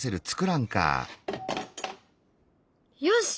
よし！